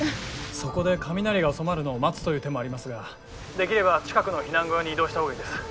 そこで雷が収まるのを待つという手もありますができれば近くの避難小屋に移動した方がいいです。